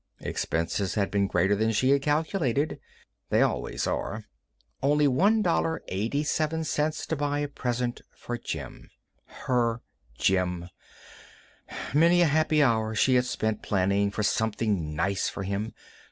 Expenses had been greater than she had calculated. They always are. Only $1.87 to buy a present for Jim. Her Jim. Many a happy hour she had spent planning for something nice for him.